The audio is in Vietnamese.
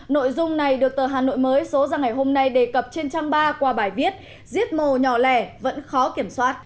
nội dung này được tờ hà nội mới số ra ngày hôm nay đề cập trên trang ba qua bài viết giết mổ nhỏ lẻ vẫn khó kiểm soát